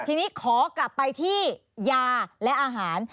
ทีนี้ขอกลับไปที่ยาและอาหาร